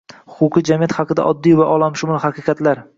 Huquqiy jamiyat haqida oddiy va olamshumul haqiqatlar